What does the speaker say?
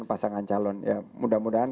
pasangan calon ya mudah mudahan